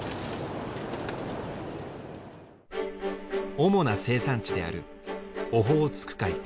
主な生産地であるオホーツク海沿岸。